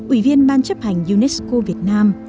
ủy viên ban chấp hành unesco việt nam